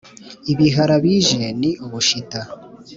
Ibihara bije ni ubushita